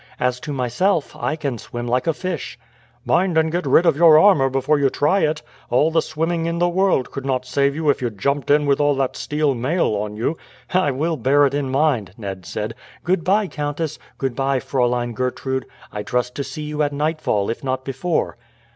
"As to myself, I can swim like a fish." "Mind and get rid of your armour before you try it. All the swimming in the world could not save you if you jumped in with all that steel mail on you." "I will bear it in mind," Ned said. "Goodbye, countess. Good bye, Fraulein Gertrude. I trust to see you at nightfall, if not before."